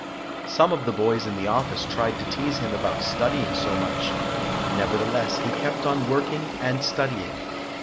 Some of the boys in the office tried to tease him about studying so much, nevertheless he kept on working and studying.